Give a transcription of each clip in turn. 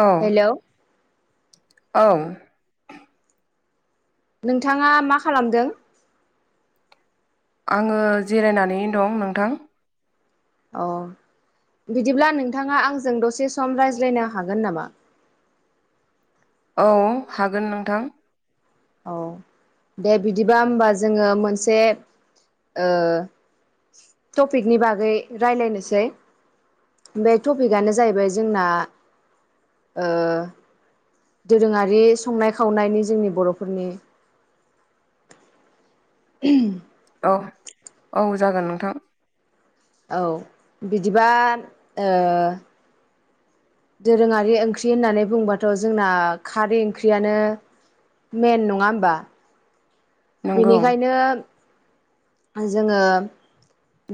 औ हेलौ ओं नोंथाङा मा खालामदों? आङो जिरायनानै दं नोंथां अ बिदिब्ला नोंथाङा आंजों दसे सम रायज्लायनो हागोन नामा? औ हागोन नोंथां औ दे बिदिबा होमबा जोङो मोनसे ओ टपिकनि बागै रायलायनोसै बे टपिकआनो जाहैबाय जोंना ओ दोरोङारि संनाय खावनायनि जोंनि बर'फोरनि [inaudible] औ-औ जागोन नोंथां औ बिदिबा ओ दोरोङारि ओंख्रि होननानै बुंबाथ' जोंना खारै ओंख्रियानो मेन नङा होनबा? नंगौ बेनिखायनो जोङो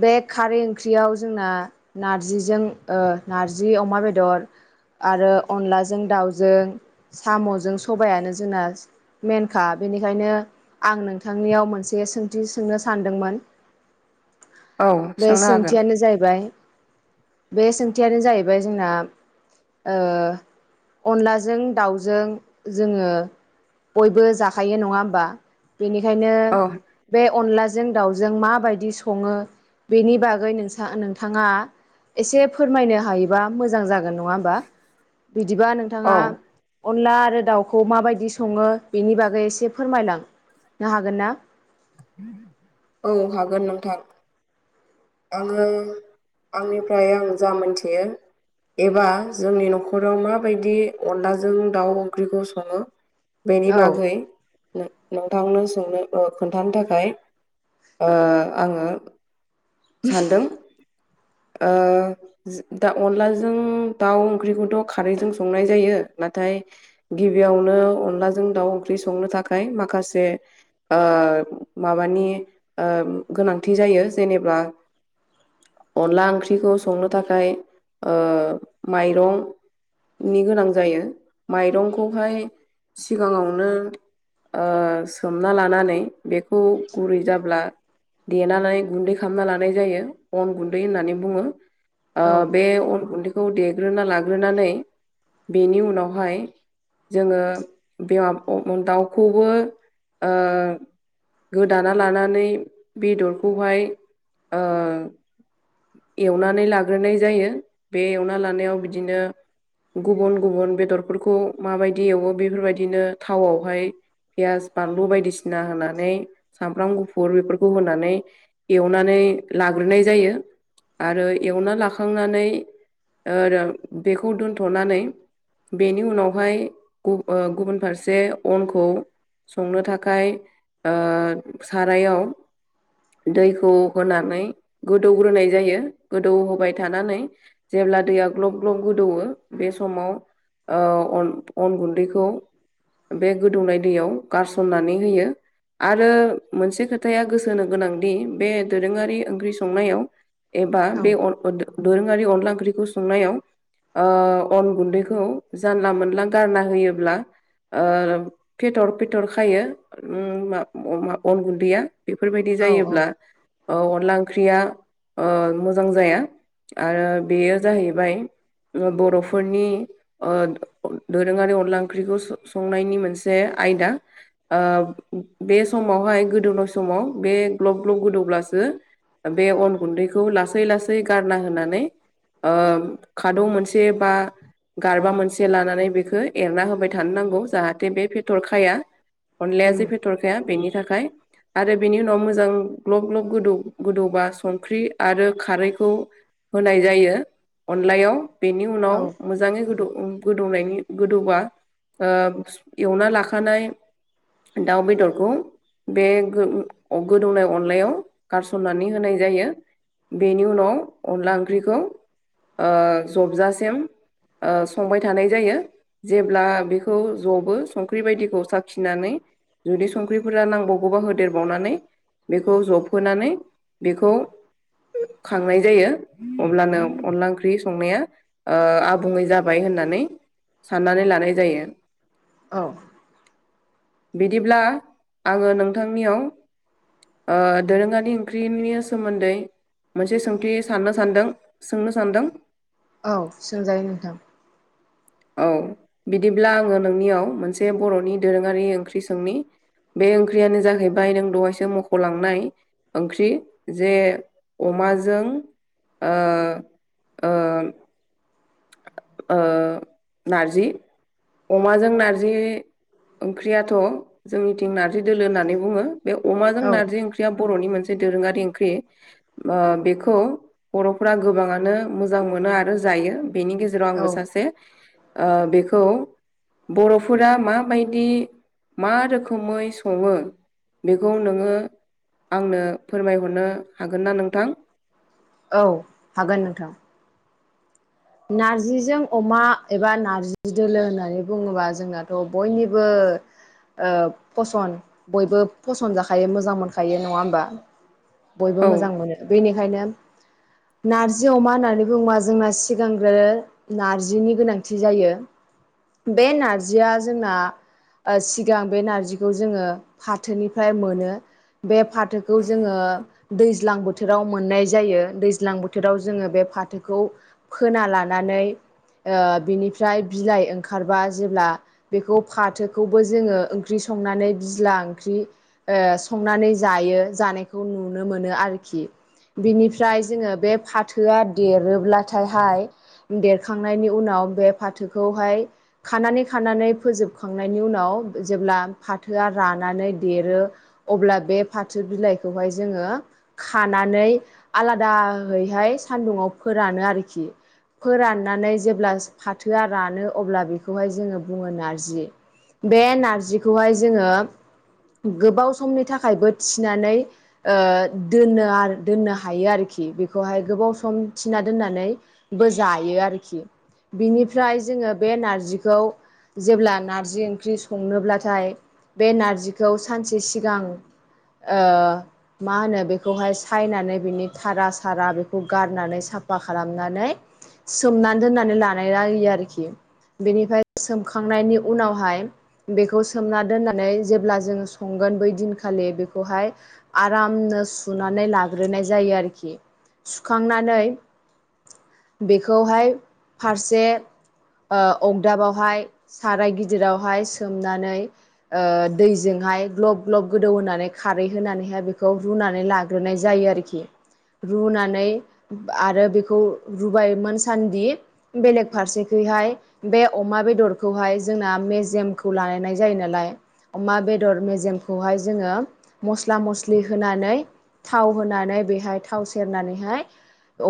बे खारै ओंख्रियाव जोंना नार्जिजों नारजि अमा बेदर आरो अनलाजों दाउजों साम'जों सबायानो जोंना मेनखा बेनिखायनो आं नोंथांनियाव मोनसे सोंथि सोंनो सानदोंमोन औ बे सोंनो हागोन सोंथियानो जाहैबाय बे सोंथियानो जाहैबाय जोंना ओ अनलाजों दाउजों जोङो बयबो जाखायो नङा होमबा बेनिखायनो औ बे अनलाजों दाउजों माबायदि सङो बेनि बागै नोंसा नोंथाङा एसे फोरमायनो हायोबा मोजां जागोन नङा होमबा बिदिबा औ नोंथाङा अनला आरो दाउखौ माबायदि सङो बेनि बागै एसे फोरमायलां नो हागोन ना? [inaudible] औ हागोन नोंथां आङो आंनिफ्राय आं जा मोनथियो एबा जोंनि न'खराव माबायदि अनलाजों दाउ ओंख्रिखौ सङो बेनि औ बागै नोंथांनो सोंनो खोन्थानो थाखाय ओ आङो सानदों ओ जो दा अनलाजों दाउ ओंख्रिखौथ' खारैजों संनाय जायो नाथाय गिबियावनो अनलाजों दाउ ओंख्रि संनो थाखाय माखासे ओ माबानि ओ गोनांथि जायो जेनेबा अनला ओंख्रिखौ संनो थाखाय ओ माइरं नि गोनां जायो माइरंखौहाय सिगाङावनो ओ सोमना लानानै बेखौ गुरै जाब्ला देनानै लाना गुन्दै खालामना ला नाय जायो अन गुन्दै होन्नानै बुङो ओ औ बे अन गुन्दै खौ देग्रोना लाग्रोनानै बेनि उनावहाय जोङो [unintelligible] दाउखौबो गोदाना लानानै बेदरखौहाय ओ एवनानै लाग्रोनाय जायो बे एवना लानायाव बिदिनो गुबुन गुबुन बेदरफोरखौ माबायदि एवो बेफोरबायदिनो थावआवहाय पियास बानलु बायदिसिना होनानै सामब्राम गुफुर बेफोरखौ होनानै एवनानै लाग्रोनाय जायो आरो एवना लाखांनानै ओ रो बेखौ दोन्थ'नानै बेनि उनावहाय ओ गुबुन फारसे अनखौ संनो थाखाय ओ सारायाव दैखौ होनानै गोदौग्रोनाय जायो गोदौ होबाय थानानै जेब्ला दैया ग्लब ग्लब गोदौवो बे समाव ओ अन-अन गुन्दैखौ बे गोदौनाय दैयाव गारसननानै होयो आरो मोनसे खोथाया गोसो होनो गोनांदि बे दोरोङारि ओंख्रि संनायाव एबा औ बे अन-अन दोरोङारि अनला ओंख्रिखौ संनायाव ओ अन गुन्दैखौ जानला मोनला गारना होयोब्ला ओ पेथर फेथर खायो अन गुन्दैया बेफोरबायदि औ औ जायोब्ला औ अनला ओ ओंख्रिया मोजां जाया आरो बेयो जाहैबाय बर'फोरनि ओ दोरोङारि अनला ओंख्रिखौ संनायनि मोनसे आयदा ओ बे समावहाय गोदौनाय समाव बे ग्लब ग्लब गोदौब्लासो बे अन गुन्दैखौ लासै लासै गारना होनानै ओ खादौ मोनसे बा गारबा मोनसे लानानै बेखौ एरना होबाय थानो नांगौ जाहाथे बे फेटरखाया अनलाया जे उम फेथरखाया बेनि थाखाय आरो बेनि उनाव मोजां ग्लब ग्लब गोदौ-गोदौबा संख्रि आरो खारैखौ होनाय जायो अनलायाव बेनि औ उनाव मोजाङै गोदौ-गोदौनायनि गोदौबा ओ एवना लाखानाय दाउ बेदरखौ बे गो-गोदौनाय अनलायाव गारसननानै होनाय जायो बेनि उनाव अनला ओंख्रिखौ जबजासिम ओ संबाय थानाय जायो। जेब्ला बेखौ जबो संख्रि बायदिखौ साखिनानै जुदि संख्रिफोरा नांबावगौबा होदेरबावनानै बेखौ जबहोनानै बेखौ खांनाय जायो अब्लानो अनला ओंख्रि संनाया आबुङै जाबाय होननानै साननानै लानाय जायो। औ बिदिब्ला आङो नोंथांनियाव दोरोङारि ओंख्रि नि सोमोन्दै मोनसे सोंथि साननो सानदों सोंनो सानदों। औ सोंजायो नोंथां। [inaudible] औ बिदिब्ला आङो नोंनियाव मोनसे बर'नि दोरोङारि ओंख्रि सोंनि। बे ओंख्रियानो जाहैबाय नों दहायसो मख'लांनाय ओंख्रि जे अमाजों ओ-ओ ओ नारजि अमाजों नारजि ओंख्रियाथ' जोंनिथिं नार्जि दोलो होननानै बुङो। बे अमाजों औ नारजि ओंख्रिया बर'नि मोनसे दोरोङारि ओंख्रि। बेखौ बर'फोरा गोबाङानो मोजां मोनो आरो जायो। बेनि गेजेराव औ आंबो सासे बेखौ। बर'फोरा माबायदि मा रोखोमै सङो। बेखौ नोङो आंनो फोरमायहरनो हागोन ना नोंथां। औ हागोन नोंथां। नारजिजों अमा एबा नार्जि दोलो होननानै बुङोबा जोंनाथ' बयनिबो। फसन बयबो फसन जाखायो मोजां मोनखायो नङा होमबा। बयबो औ मोजां मोनो बेनिखायनो नारजि अमा होननानै बुङोबा जोंना। सिगांग्रो नारजिनि गोनांथि जायो। बे नारजिया जोंना सिगां बे नारजिखौ जोङो फाथोनिफ्राय मोनो बे। फाथोखौ जोङो दै। दैज्लां बोथोराव मोननाय जायो दैज्लां बोथोराव जोङो बे फाथोखौ। फोना लानानै बिनिफ्राय बिलाइ ओंखारबा जेब्ला। बेखौ फाथोखौबो जोङो ओंख्रि संनानै बिजला ओंख्रि। ओ संनानै जायो जानायखौ नुनो मोनो आरोखि। बिनिफ्राय जोङो बे फाथोआ देरोब्ला। नाथायहाय देरखांनायनि उनाव बे फाथोखौहाय खानानै खानानै फोजोबखांनायनि उनाव जेब्ला फाथोआ। रानानै देरो अब्ला बे फाथो बिलाइखौहाय जोङो। खानानै आलादायैहाय सानदुंङाव फोरानो आरोखि। फोराननानै जेब्ला फाथोआ रानो अब्ला बेखौहाय जोङो बुङो नारजि। बे नारजिखौहाय जोङो गोबाव समनि थाखायबो थिनानै दोनो दोननो हायो आरोखि बेखौहाय गोबाव सम थिना दोननानै। बो जायो आरोखि बिनिफ्राय जोङो बे नारजिखौ। जेब्ला नारजि ओंख्रि संनोब्लाथाय बे नारजिखौ सानसे सिगां ओ मा होनो बेखौहाय सायनानै बिनि थारा सारा बेखौ गारनानै साफा खालाम। नानै सोमनानै दोननानै लानाय जायो आरोखि बेनिफ्राय सोमखांनायनि उनावहाय बेखौ सोमना दोननानै जेब्ला जों संगोन बै दिनखालि बेखौहाय आरामनो सुनानै लाग्रोनाय जायो आरोखि सुखांनानै। बेखौहाय फारसे। अगदाबावहाय साराय गिदिरावहाय सोमनानै। ओ दैजोंहाय ग्लब ग्लब गोदौ होनानै खारै होनानैहाय बेखौ रुनानै ला रुनाय जायो आरोखि रुनानै आरो बेखौ रुबाय मोनसान्दि बेलेग फारसेखैहाय बे अमा बेदरखौहाय जोंना मेजेमखौ लानायनाय जायो नालाय अमा बेदर मेजेमखौहाय जोङो मस्ला मस्लि होनानै थाव होनानै बेहाय थाव सेरनानैहाय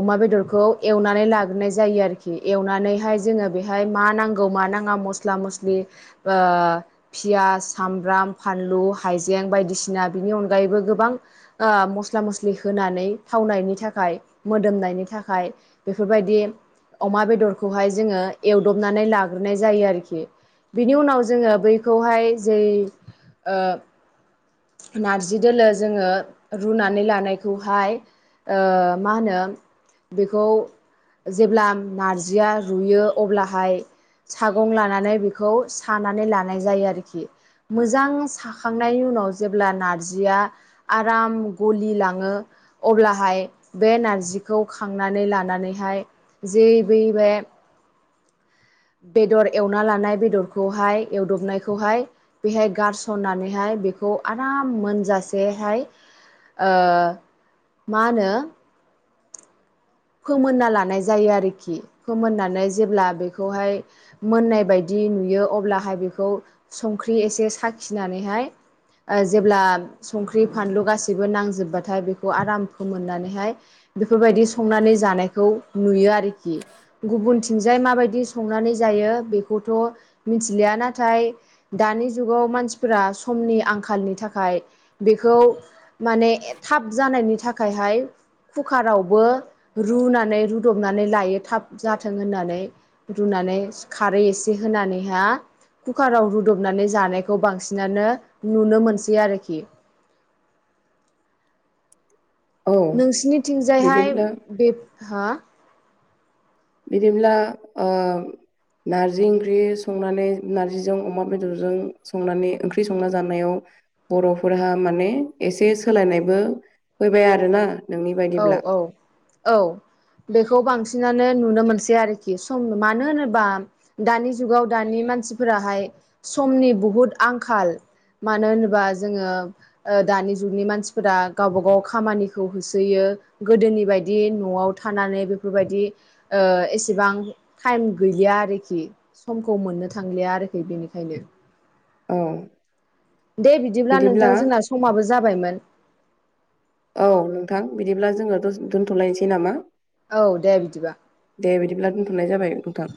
अमा बेदरखौ एवनानै लाग्रोनाय जायो आरोखि एवनानैहाय जोङो बेहाय मा नांगौ मा नाङा मस्ला मस्लि ओ पियास सामब्राम फानलु हाइजें बायदिसिना बिनि अनगायैबो गोबां ओ मस्ला मस्लि होनानै थावनायनि थाखाय मोदोमनायनि थाखाय बेफोरबायदि अमा बेदरखौहाय जोङो एवदबनानै लाग्रोनाय जायो आरोखि। बिनि उनाव जोङो बैखौहाय जै ओ नारजि दोलो जोङो रुनानै लानायखौहाय ओ मा होनो बेखौ जेब्ला नार्जिया रुयो अब्लाहाय सागं लानानै बेखौ सानानै लानाय जायो आरोखि। मोजां साखांनायनि उनाव जेब्ला नार्जिया आराम गलिलाङो अब्लाहाय बे नार्जिखौ खांनानै लानानैहाय जे बै बे बेदर एवना लानाय बेदरखौहाय एवदबनायखौहाय बेहाय गारसननानैहाय बेखौ आराम मोनजासेहाय ओ मा होनो फोमोनना लानाय जायो आरोखि। फोमोननानै जेब्ला बेखौहाय मोननाय बायदि नुयो अब्लाहाय बेखौ संख्रि एसे साखिनानैहाय ओ जेब्ला संख्रि फानलु गासिबो नांजोबबाथाय बेखौ आराम फोमोननानैहाय बेफोरबायदि संनानै जानायखौ नुयो आरोखि। गुबुनथिंजाय माबायदि संनानै जायो बेखौथ' मिथिलिया। नाथाय दानि जुगाव मानसिफोरा समनि आंखालनि थाखाय बेखौ माने ए थाब जानायनि थाखायहाय कुकारावबो रुनानै रुदबनानै लायो थाब जाथों होननानै। रुनानै खारै एसे होनानैहा कुकाराव रुदबनानै जानायखौ बांसिनानो नुनो मोनसै आरोखि। औ नोंसिनिथिंजायहाय बिदिब्ला बे हो बिदिब्ला ओम नार्जि ओंख्रि संनानै नार्जिजों अमा बेदरजों संनानै ओंख्रि संना जानायाव बर'फोरहा माने एसे सोलायनायबो फैबाय आरोना। नोंनि औ बायदिब्ला औ औ। बेखौ बांसिनानो नुनो मोनसै आरोखि। सम मानो होनोबा दानि जुगाव दानि मानसिफोराहाय समनि बुहुद आंखाल। मानो होनोबा जोङो ओ दानि जुगनि मानसिफोरा गावबा गाव खामानिखौ हो सोयो। गोदोनि बायदि न'आव थानानै बेफोरबायदि ओ एसेबां टाइम गैलिया आरोखि। समखौ मोननो थांलिया आरोखि बेनिखायनो। औ। दे बिदिब्ला नोंथां जोंना समाबो जाबायमोन। औ नोंथां बिदिब्ला जोङो दस दोन्थ'लायनोसै नामा? औ दे बिदिबा। दे बिदिब्ला दोन्थ'नाय जाबाय नोंथां।